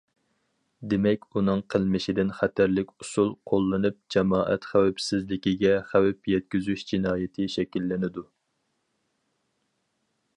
دېمەك، ئۇنىڭ قىلمىشىدىن خەتەرلىك ئۇسۇل قوللىنىپ جامائەت خەۋپسىزلىكىگە خەۋپ يەتكۈزۈش جىنايىتى شەكىللىنىدۇ.